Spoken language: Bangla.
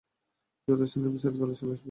যথাস্থানে এর বিস্তারিত আলোচনা আসবে।